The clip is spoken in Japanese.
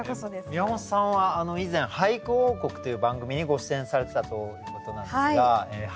宮本さんは以前「俳句王国」という番組にご出演されてたということなんですが俳句いかがですか？